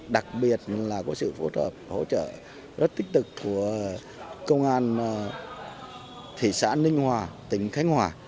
đặc biệt là có sự phối hợp hỗ trợ rất tích cực của công an thị xã ninh hòa tỉnh khánh hòa